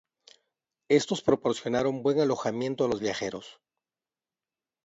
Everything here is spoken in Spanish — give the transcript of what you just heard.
Estos proporcionaron buen alojamiento a los viajeros.